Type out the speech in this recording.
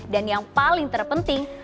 dan yang paling terpenting